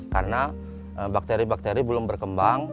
karena bakteri bakteri belum berkembang